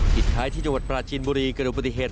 ผิดท้ายที่จังหวัดปราจีนบุรีเกิดอุบัติเหตุ